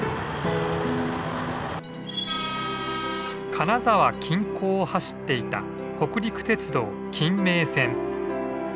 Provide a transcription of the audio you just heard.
金沢近郊を走っていた北陸鉄道金名線。